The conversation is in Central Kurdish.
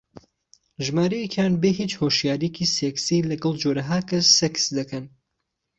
ژمارەیەکیان بێ هیچ هۆشیارییەکی سێکسی لەگەڵ جۆرەها کەس سێکس دەکەن